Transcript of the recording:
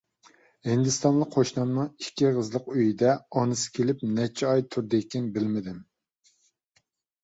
ھىندىستانلىق قوشنامنىڭ ئىككى ئېغىزلىق ئۆيىدە ئانىسى كېلىپ نەچچە ئاي تۇردىكىن، بىلمىدىم.